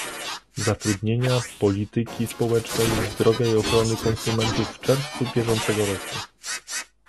Zatrudnienia, Polityki Społecznej, Zdrowia i Ochrony Konsumentów w czerwcu bieżącego roku